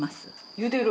ゆでる